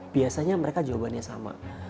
biasanya mereka jawabannya sama